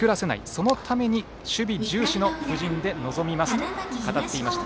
そのために、守備重視の布陣で臨みますと語っていました。